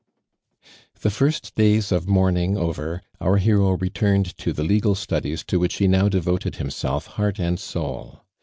The first days of mourning over, our hero returned to the legal studies to which he now devoted liimselfj heart and soul.